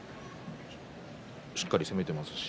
しっかり攻めていますし。